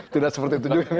tidak seperti itu juga